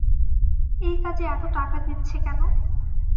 এই কাজে এতো টাকা দিচ্ছে কেন?